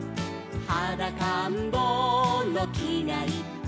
「はだかんぼうのきがいっぽん」